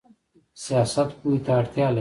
سیاست پوهې ته اړتیا لري